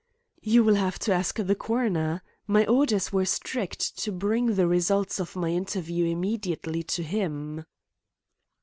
"You will have to ask the coroner. My orders were strict to bring the results of my interview immediately to him."